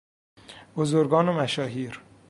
بزرگان و مشاهیر